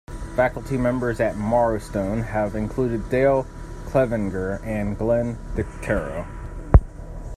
Faculty members at Marrowstone have included Dale Clevenger and Glenn Dicterow.